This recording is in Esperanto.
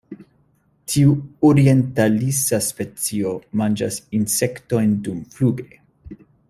Tiu orientalisa specio manĝas insektojn dumfluge.